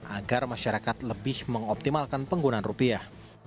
agar masyarakat lebih mengoptimalkan penggunaan rupiah